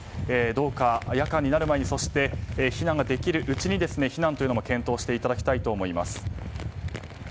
どうか夜間になる前にそして、避難ができるうちに避難というのを検討していただきたいと思います。